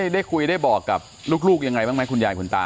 ได้คุยได้บอกกับลูกยังไงบ้างไหมคุณยายคุณตา